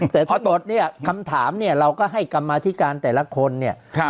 แต่ทั้งหมดเนี้ยคำถามเนี้ยเราก็ให้กำมาทิการแต่ละคนเนี้ยครับ